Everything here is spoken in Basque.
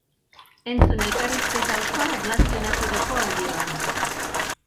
Entzun elkarrizketa osoa eralzionaturiko audioan!